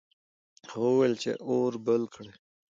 هغه وویل چې اور بل کړه.